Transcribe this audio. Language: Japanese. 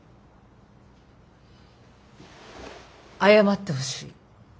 謝ってほしい。